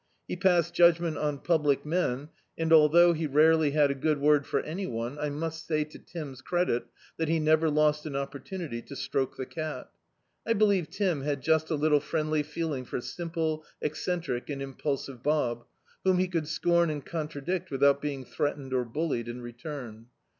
He passed judgment on public men, and although he rarely had a good word for any one, I must say, to Tim's credit, that he never lost an opportunity to stroke the cat. I believe Tim had just a little friendly feeling for simple, eccentric and impulsive Bob; whom he could scom and contradict ^thout being threatened or bullied in return.